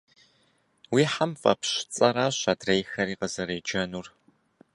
Уи хьэм фӏэпщ цӏэращ адрейхэри къызэреджэнур.